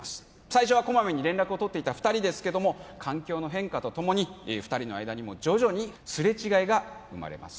最初はこまめに連絡を取っていた２人ですけども環境の変化とともに２人の間にも徐々にすれ違いが生まれます